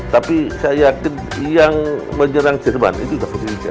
tapi saya yakin yang menyerang jerman itu versi tiga